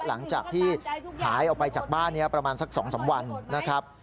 หลังจากที่หายออกไปจากบ้านนี้ประมาณสัก๒๓วันนะครับ